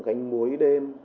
rồi gánh muối đêm